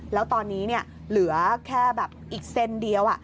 แล้วตอนนี้เหลือแค่แบบอีกเซนเดียว